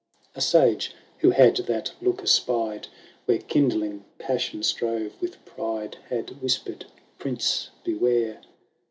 A sage, who had that look espied. Where kindling passion strove with pride, Had whispered, ' Prince, beware